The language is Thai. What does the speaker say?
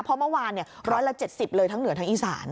เพราะเมื่อวาน๑๗๐เลยทั้งเหนือทั้งอีสาน